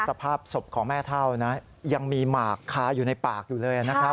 สภาพศพของแม่เท่านะยังมีหมากคาอยู่ในปากอยู่เลยนะครับ